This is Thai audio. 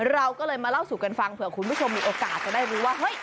เราก็เลยมาเล่าสู่กันฟังเผื่อคุณผู้ชมมีโอกาสจะได้รู้ว่าเฮ้ย